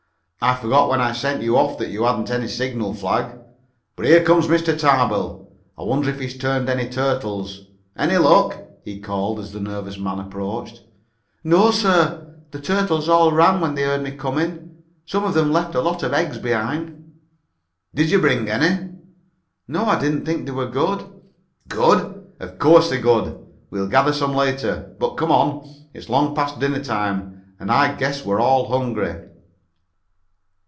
"I forgot when I sent you off that you hadn't any signal flag. But here comes Mr. Tarbill. I wonder if he turned any turtles? Any luck?" he called as the nervous man approached. "No, sir. The turtles all ran when they heard me coming. Some of them left a lot of eggs behind." "Did you bring any?" "No. I didn't think they were good." "Good? Of course they're good! We'll gather some later. But come on. It's long past dinner time and I guess we're all hungry."